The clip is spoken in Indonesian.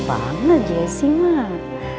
banget jessy mah